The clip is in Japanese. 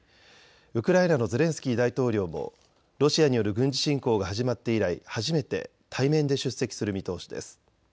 ウクライナのゼレンスキー大統領もロシアによる軍事侵攻が始まって以来、初めて対面で出席する見通しです。